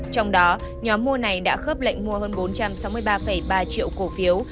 trong đó nhóm mua này đã khớp lệnh mua hơn bốn trăm sáu mươi ba ba triệu cổ phiếu